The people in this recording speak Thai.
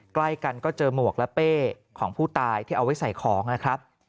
ใกล้กันก็เจอหมวกและเป้ของผู้ตายที่เอาไว้ใส่ของนะครับ